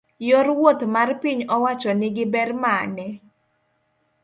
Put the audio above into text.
yor wuoth mar piny owacho ni gi ber mane?